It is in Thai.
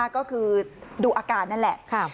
ก็คือดูอาการนั่นแหละ